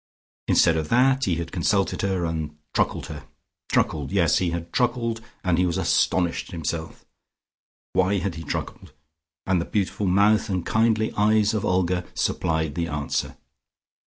Instead of that he had consulted her and truckled to her: truckled: yes, he had truckled, and he was astonished at himself. Why had he truckled? And the beautiful mouth and kindly eyes of Olga supplied the answer.